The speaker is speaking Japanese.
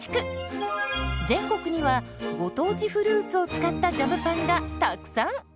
全国にはご当地フルーツを使ったジャムパンがたくさん！